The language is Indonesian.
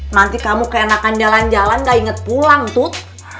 nanti kamu keenakan jalan jalan nggak inget pulang tut